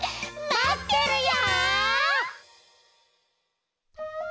まってるよ！